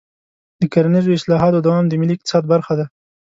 د کرنیزو اصلاحاتو دوام د ملي اقتصاد برخه ده.